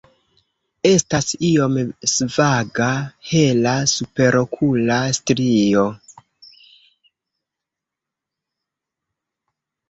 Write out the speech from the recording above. Estas iom svaga hela superokula strio.